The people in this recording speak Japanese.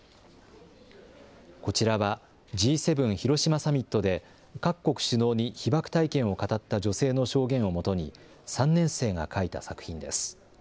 こちらは、Ｇ７広島サミットで各国首脳に被爆体験を語った女性の証言をもとに、３年生が描いた作品です。